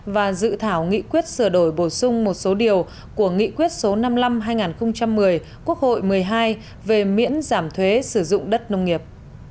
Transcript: và dự thảo nghị quyết sửa đổi bổ sung một số điều của nghị quyết số năm mươi năm hai nghìn một mươi quốc hội một mươi hai về miễn giảm thuế sử dụng đất nông nghiệp